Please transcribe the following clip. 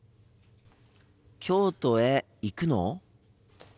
京都へ行くの？